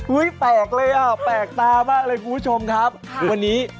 อุ๊ยแตกเลยอ่ะแตกตามมากเลยคุณผู้ชมครับวันนี้